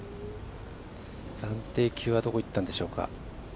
暫定球はどこにいったんでしょうか。